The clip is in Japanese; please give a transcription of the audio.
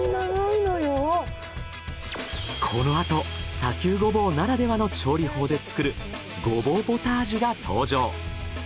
このあと砂丘ゴボウならではの調理法で作るゴボウポタージュが登場。